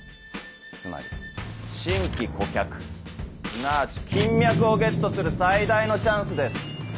つまり新規顧客すなわち金脈をゲットする最大のチャンスです。